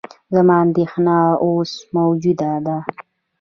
زما اندېښنه اوس موجوده ده.